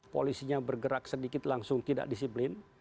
polisinya bergerak sedikit langsung tidak disiplin